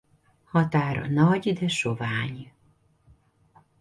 Határa nagy de sovány.